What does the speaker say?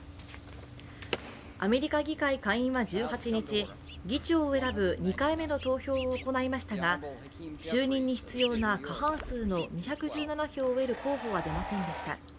アメリカ議会下院は１８日、議長を選ぶ２回目の投票を行いましたが就任に必要な過半数の２１７票を得る候補は出ませんでした。